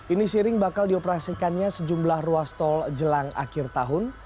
ini seiring bakal dioperasikannya sejumlah ruas tol jelang akhir tahun